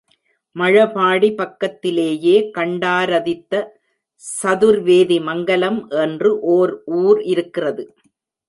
மழபாடி பக்கத்திலேயே கண்டாரதித்த சதுர்வேதி மங்கலம் என்று ஓர் ஊர் இருக்கிறது.